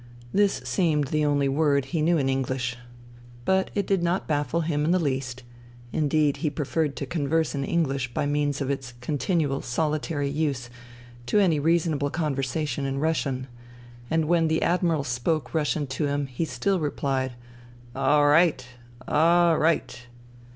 This seemed the only word he knew in English. But it did not baffle him in the least ; indeed he preferred to converse in English by means of its continual solitary use to any reasonable conversa tion in Russian ; and when the Admiral spoke Russian to him he still replied, " Orright ! Orright